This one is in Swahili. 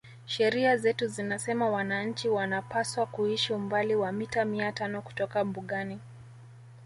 Sheria zetu zinasema wananchi wanapaswa kuishi umbali wa mita mia tano kutoka mbugani